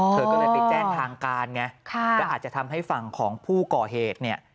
เธอก็เลยไปแจ้งทางการไงแล้วอาจจะทำให้ฝั่งของผู้ก่อเหตุเนี่ย